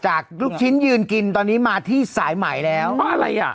ลูกชิ้นยืนกินตอนนี้มาที่สายใหม่แล้วเพราะอะไรอ่ะ